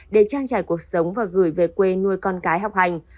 để trang trải cuộc sống và gửi về quê nuôi con cái học hành